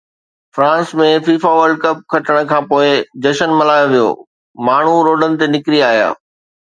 France ۾ FIFA World Cup کٽڻ کانپوءِ جشن ملهايو ويو، ماڻهو روڊن تي نڪري آيا